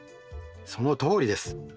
そのとおりです。